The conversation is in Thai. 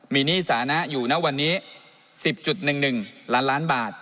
มีหนี้สานะอยู่ณวันนี้๑๐๑๑ล้านล้านบาท